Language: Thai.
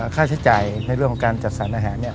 ค่าใช้จ่ายในเรื่องของการจัดสรรอาหารเนี่ย